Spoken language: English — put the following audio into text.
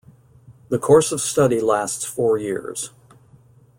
The course of study lasts four years.